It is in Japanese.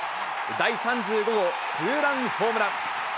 第３５号ツーランホームラン。